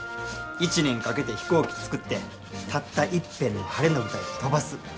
一年かけて飛行機作ってたったいっぺんの晴れの舞台で飛ばす。